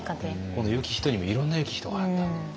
この「よき人」にもいろんなよき人があったと。